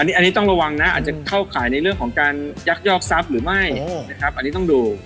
อันนี้ต้องระวังนะอาจจะเข้าข่ายในเรื่องของการยักยอกทรัพย์หรือไม่นะครับอันนี้ต้องดู